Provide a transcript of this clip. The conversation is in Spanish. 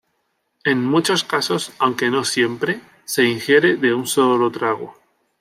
En muchos casos, aunque no siempre, se ingiere de un solo trago.